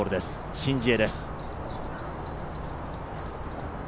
シン・ジエです。